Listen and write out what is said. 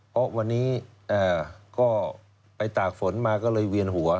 เพราะวันนี้ก็ไปตากฝนมาก็เลยเวียนหัว